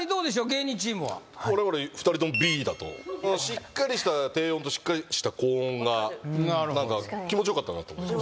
芸人チームは我々２人ともＢだとしっかりした低音としっかりした高音がなんか気持ち良かったなと思いました